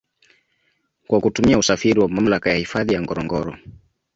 Kwa kutumia usafiri wa mamlaka ya hifadhi ya ngorongoro